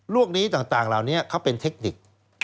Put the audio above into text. นี้ต่างเหล่านี้เขาเป็นเทคนิค